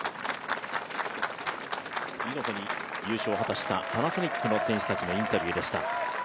見事に優勝を果たしたパナソニックの選手たちのインタビューでした。